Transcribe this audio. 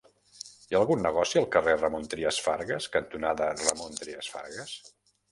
Hi ha algun negoci al carrer Ramon Trias Fargas cantonada Ramon Trias Fargas?